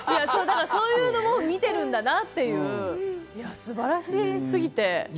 そういうのも見ているんだなと思って、素晴らしすぎて。